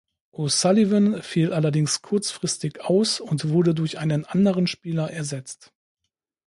O’Sullivan fiel allerdings kurzfristig aus und wurde durch einen anderen Spieler ersetzt.